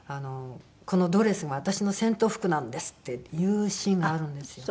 「このドレスが私の戦闘服なんです」って言うシーンがあるんですよ。